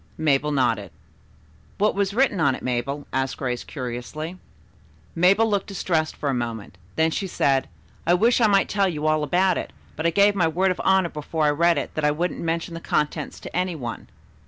Mabel nodded. "What was written on it, Mabel?" asked Grace curiously. Mabel looked distressed for a moment then she said, "I wish I might tell you all about it, but I gave my word of honor before I read it that I wouldn't mention the contents to any one."